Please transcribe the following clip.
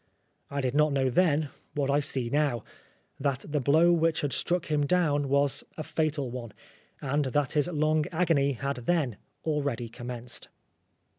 I did not know then what I see now, that the blow which had struck him down was a fatal one, and that his long agony had then already commenced.